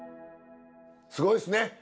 すごいですね。